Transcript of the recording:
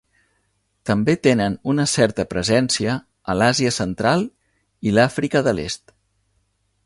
També tenen una certa presència a l'Àsia central i l'Àfrica de l'est.